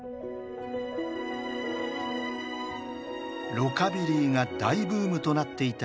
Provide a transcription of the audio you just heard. ロカビリーが大ブームとなっていた